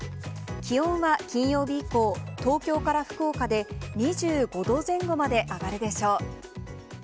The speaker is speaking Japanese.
気温は金曜日以降、東京から福岡で２５度前後まで上がるでしょう。